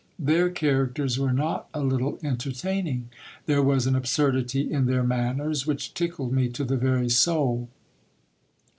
Their characters were not a little entertaining. There was an absurdity in their manners, which tickled me to the very soul.